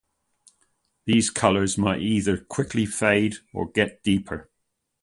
These colours may either quickly fade or get deeper.